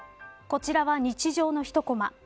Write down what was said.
こちらは日常の一コマ。